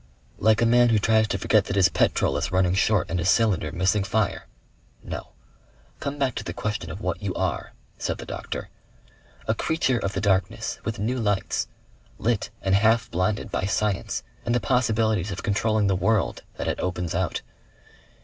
"Like a man who tries to forget that his petrol is running short and a cylinder missing fire.... No. Come back to the question of what you are," said the doctor. "A creature of the darkness with new lights. Lit and half blinded by science and the possibilities of controlling the world that it opens out.